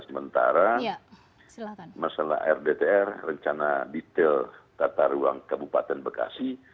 sementara masalah rdtr rencana detail tata ruang kabupaten bekasi